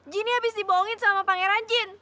jinny abis dibohongin sama pangeran jin